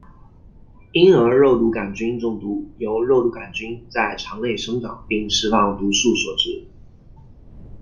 婴儿肉毒杆菌中毒由肉毒杆菌在肠内生长并释放毒素所致。